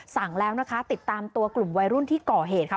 สั่งแล้วนะคะติดตามตัวกลุ่มวัยรุ่นที่ก่อเหตุค่ะ